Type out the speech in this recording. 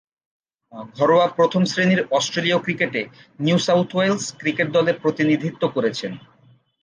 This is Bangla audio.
ঘরোয়া প্রথম-শ্রেণীর অস্ট্রেলীয় ক্রিকেটে নিউ সাউথ ওয়েলস ক্রিকেট দলের প্রতিনিধিত্ব করেছেন।